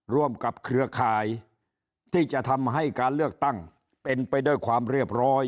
ร่วมกับเครือข่ายที่จะทำให้การเลือกตั้งเป็นไปด้วยความเรียบร้อย